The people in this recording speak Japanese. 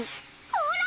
ほら！